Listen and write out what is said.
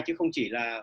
chứ không chỉ là